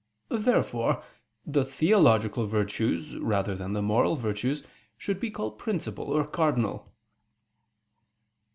Therefore the theological virtues, rather than the moral virtues, should be called principal or cardinal.